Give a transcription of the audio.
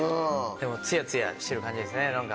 でもツヤツヤしてる感じですね何か。